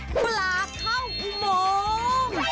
ปลาเข้าอุโมง